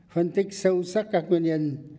phân tích sâu sắc các nguyên nhân